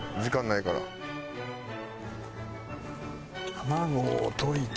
卵を溶いて。